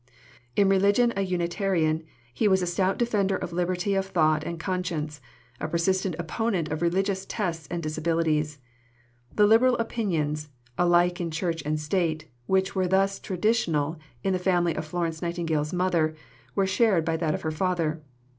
" In religion a Unitarian, he was a stout defender of liberty of thought and conscience, a persistent opponent of religious tests and disabilities. The liberal opinions, alike in Church and State, which were thus traditional in the family of Florence Nightingale's mother, were shared by that of her father.